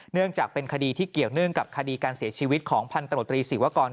เนื่องจากเป็นคดีที่เกี่ยวเนื่องกับคดีการเสียชีวิตของพันตรวจตรีศิวกร